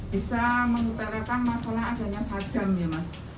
bisa mengutarakan masalah adanya sajam ya mas